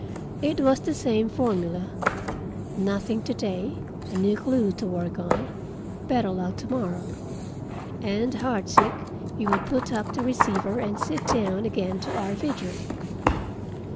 It was the same formula. "Nothing to day. A new clue to work on. Better luck to morrow." And heartsick we would put up the receiver and sit down again to our vigil.